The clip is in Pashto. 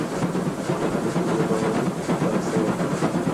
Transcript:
په ټولنه کي بې باوري خپره سوې ده.